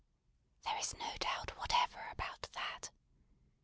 There is no doubt whatever about that.